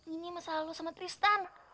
ini masalah lo sama tristan